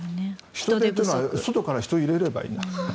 人手というのは外から人を入れればいいじゃん。